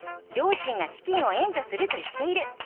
両親が資金を援助すると言っている。